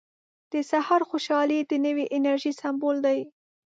• د سهار خوشحالي د نوې انرژۍ سمبول دی.